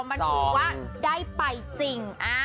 มันถือว่าได้ไปจริง